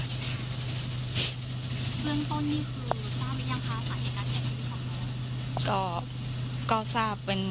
เบื้องต้นนี่คือทราบหรือยังคะสาเหตุการเสียชีวิตของน้อง